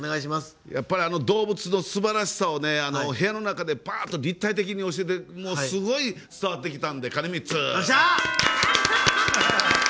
やっぱり動物のすばらしさを部屋の中で立体的ですごい伝わってきたんで鐘３つ！